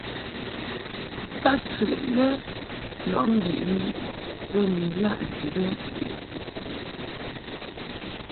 Tadsɨʼ lɛ lɔʼ mbiʼni bə ni ilaʼ ndib ɛ ?